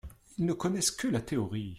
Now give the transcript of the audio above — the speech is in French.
Ils ne connaissent que la théorie !…